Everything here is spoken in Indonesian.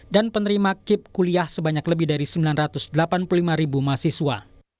dan penerima kip kuliah sebanyak lebih dari sembilan ratus delapan puluh lima ribu mahasiswa